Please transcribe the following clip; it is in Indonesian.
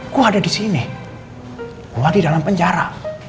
gua ada di sini gua di dalam penjara